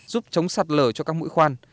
giúp chống sạt lở cho các mũi khoan